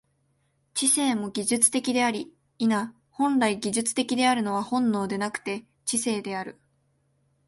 知性も技術的であり、否、本来技術的であるのは本能でなくて知性である。